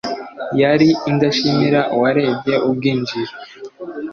yari ndashimira uwarebye ubwinjiriro